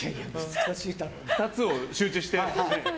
２つを集中して。